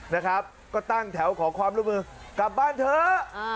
นะครับก็ตั้งแถวขอความร่วมมือกลับบ้านเถอะ